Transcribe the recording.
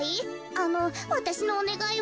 あのわたしのおねがいは。